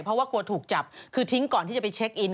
เพราะว่ากลัวถูกจับคือทิ้งก่อนที่จะไปเช็คอิน